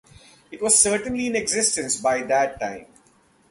It was certainly in existence by that time.